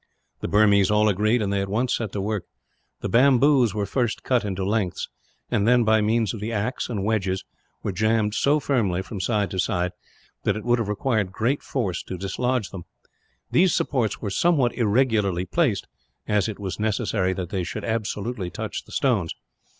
The Burmese all agreed, and they at once set to work. The bamboos were first cut into lengths; and then, by means of the axe and wedges, were jammed so firmly, from side to side, that it would have required great force to dislodge them. These supports were somewhat irregularly placed, as it was necessary that they should absolutely touch the stones.